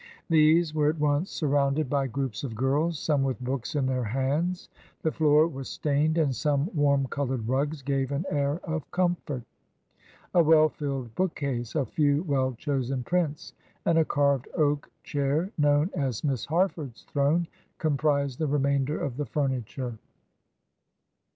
These were at once surrounded by groups of girls, some with books in their hands. The floor was stained, and some warm coloured rugs gave an air of comfort. A well filled book case, a few well chosen prints, and a carved oak chair known as "Miss Harford's throne," comprised the remainder of the furniture.